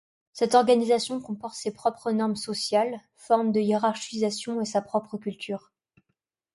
Cette organisation comporte ses propres normes sociales, formes de hierarchisation et sa propre culture.